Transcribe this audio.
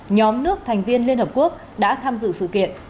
nhóm nước thành viên liên hợp quốc đã tham dự sự kiện